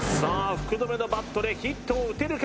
福留のバットでヒットを打てるか？